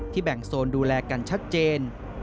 แบ่งโซนดูแลกันชัดเจน